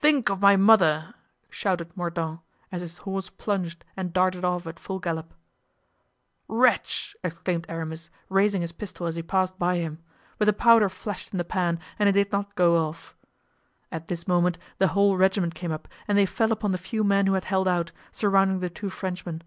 "Think of my mother!" shouted Mordaunt, as his horse plunged and darted off at full gallop. "Wretch!" exclaimed Aramis, raising his pistol as he passed by him; but the powder flashed in the pan and it did not go off. At this moment the whole regiment came up and they fell upon the few men who had held out, surrounding the two Frenchmen.